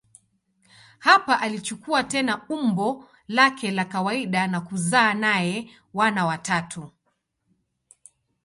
Hapa alichukua tena umbo lake la kawaida na kuzaa naye wana watatu.